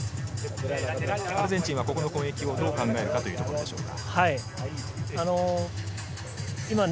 アルゼンチンはここの攻撃をどう考えるかというところでしょうか。